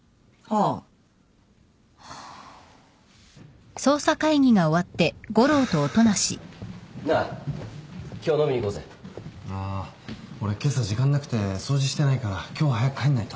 あ俺けさ時間なくて掃除してないから今日は早く帰んないと。